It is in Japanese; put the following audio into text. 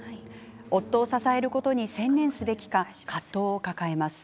夫を支えることに専念すべきか葛藤を抱えます。